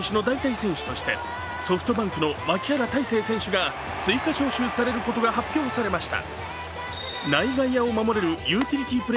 出場を辞退した鈴木誠也選手の代替選手として、ソフトバンクの牧原大成選手が追加招集されることが発表されました。